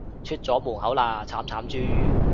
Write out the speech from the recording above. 出咗門口喇，慘慘豬